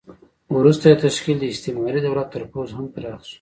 وروسته یې تشکیل د استعماري دولت تر پوځ هم پراخ شو.